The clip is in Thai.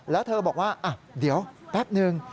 แล้วเธอบอกว่าเดี๋ยวแป๊บนึง